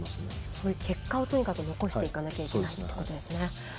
そういう結果をとにかく残していかないといけないということですね。